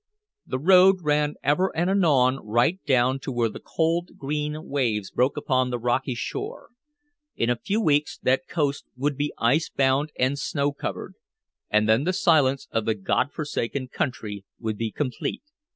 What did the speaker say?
The road ran ever and anon right down to where the cold, green waves broke upon the rocky shore. In a few weeks that coast would be ice bound and snow covered, and then the silence of the God forsaken country would be complete.